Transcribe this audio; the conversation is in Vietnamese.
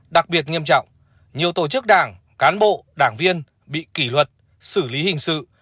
đặc biệt nghiêm trọng nhiều tổ chức đảng cán bộ đảng viên bị kỷ luật xử lý hình sự